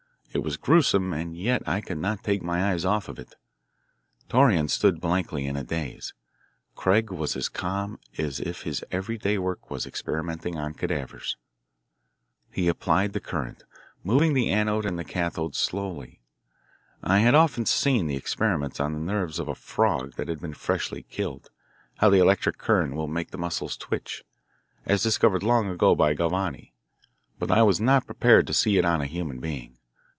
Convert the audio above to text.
It was gruesome, and yet I could not take my eyes off it. Torreon stood blankly, in a daze. Craig was as calm as if his every day work was experimenting on cadavers. He applied the current, moving the anode and the cathode slowly. I had often seen the experiments on the nerves of a frog that had been freshly killed, how the electric current will make the muscles twitch, as discovered long ago by Galvani. But I was not prepared to see it on a human being.